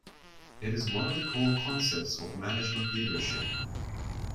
It is one of the core concepts of management leadership.